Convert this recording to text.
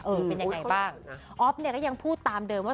เป็นยังไงบ้างอ๊อฟเนี่ยก็ยังพูดตามเดิมว่า